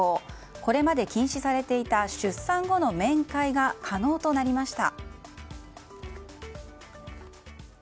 これまで禁止されていた出産後の面会が可能となりました。